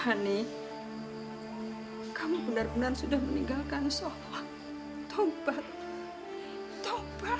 hani kamu benar benar sudah meninggalkan sholat tawbat tawbat